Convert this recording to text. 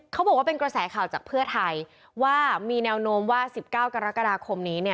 เขาบอกว่ากระแสข่าวจากเพื่อไทยว่ามีแนวโน้มว่า๑๙กรกฎาคม